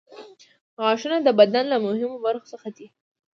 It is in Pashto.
غاښونه د بدن له مهمو برخو څخه دي.